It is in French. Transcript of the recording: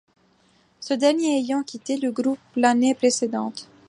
Ce dernier ayant quitté le groupe l'année précédente.